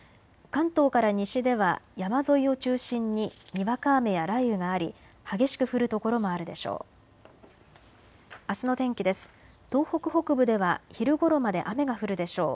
関東から西では山沿いを中心ににわか雨や雷雨があり激しく降る所もあるでしょう。